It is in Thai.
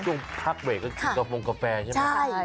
ต้องพักเวรกกินกาโฟงกาแฟใช่ไหม